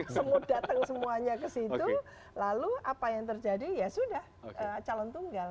semua datang semuanya ke situ lalu apa yang terjadi ya sudah calon tunggal